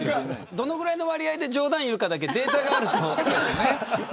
どのぐらいの割合で冗談を言うかだけデータがあると。